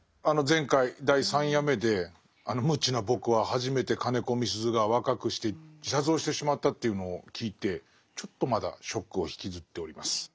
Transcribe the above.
前回第３夜目で無知な僕は初めて金子みすゞが若くして自殺をしてしまったというのを聞いてちょっとまだショックを引きずっております。